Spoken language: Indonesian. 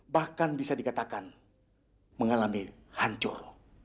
bahkan bisa dikatakan mengalami hancur